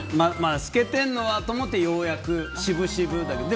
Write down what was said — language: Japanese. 透けてるのはと思ってようやく、しぶしぶだけど。